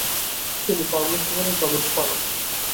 তিনি কর্মজীবনে প্রবেশ করেন।